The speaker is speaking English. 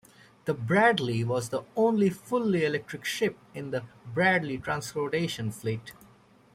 The "Bradley" was the only fully electric ship in the Bradley Transportation fleet.